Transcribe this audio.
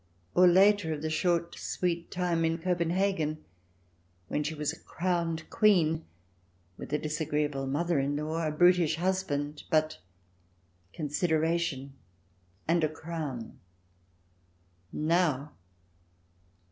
Or later, of the short, sweet time in Copenhagen, when she was a crowned Queen, with a disagreeable mother in law, a brutish husband, but — consideration and a crown ! Now